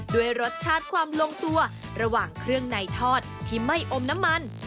ด้วยรสชาติความลงตัวระหว่างเครื่องในทอดที่ไม่อมน้ำมัน